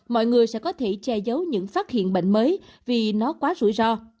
mọi người sẽ có thể che giấu những phát hiện bệnh mới vì nó quá rủi ro